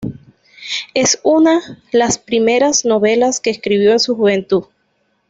Es una las primeras novelas que escribió en su juventud.